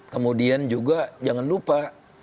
kemudian juga jangan lupa